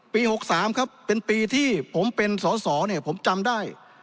๖๓ครับเป็นปีที่ผมเป็นสอสอเนี่ยผมจำได้